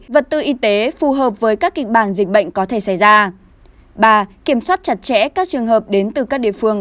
vật tư y tế phù hợp với các kịch bản dịch bệnh có thể xảy ra ba kiểm soát chặt chẽ các trường hợp đến từ các địa phương